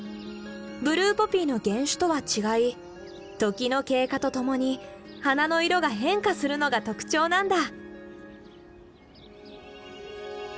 ブルーポピーの原種とは違い時の経過とともに花の色が変化するのが特徴なんだ。